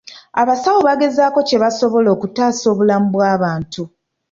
Abasawo bagezaako kye basobola okutaasa obulamu bw'abantu.